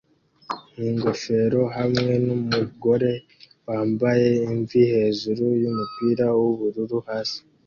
n'ingofero hamwe numugore wambaye imvi hejuru yumupira wubururu hasi